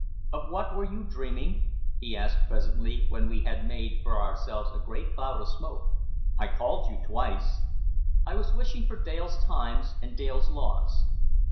"Of what were you dreaming?" he asked presently, when we had made for ourselves a great cloud of smoke. "I called you twice." "I was wishing for Dale's times and Dale's laws."